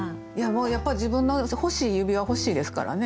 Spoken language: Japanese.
やっぱり自分の欲しい指輪欲しいですからね。